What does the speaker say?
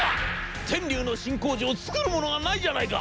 天竜の新工場作るものがないじゃないか！